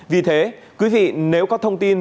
vì thế quý vị nếu có thông tin